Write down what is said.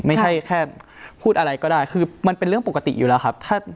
ไม่ใช่แค่พูดอะไรก็ได้คือมันเป็นเรื่องปกติอยู่แล้วครับ